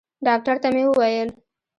ډاکتر ته مې وويل.